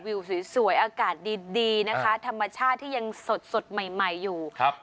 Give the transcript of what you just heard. วิวสวยอากาศดีดีนะคะธรรมชาติที่ยังสดสดใหม่ใหม่อยู่ครับ